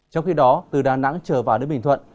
trong khi đó từ đà nẵng trở vào đến bình thuận